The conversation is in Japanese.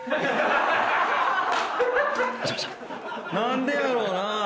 何でやろうな？